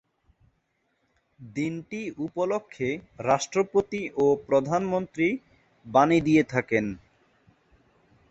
দিনটি উপলক্ষে রাষ্ট্রপতি ও প্রধানমন্ত্রী বাণী দিয়ে থাকেন।